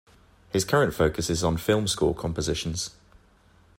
His current focus is on film score compositions.